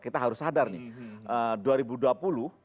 kita harus sadar nih